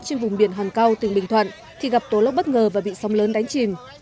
trên vùng biển hòn cao tỉnh bình thuận thì gặp tố lốc bất ngờ và bị sóng lớn đánh chìm